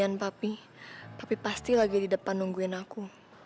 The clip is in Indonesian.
dan papi papi pasti lagi di depan nungguin aku